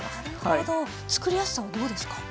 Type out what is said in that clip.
なるほど作りやすさはどうですか？